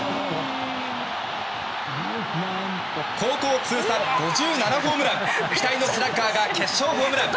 高校通算５７ホームラン期待のスラッガーが決勝ホームラン！